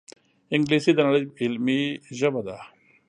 انګلیسي د نړۍ علمي ژبه ده